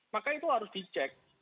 maka itu harus dicek